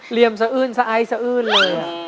เหลี่ยมสะอื้นสะอ้ายสะอื้นเลย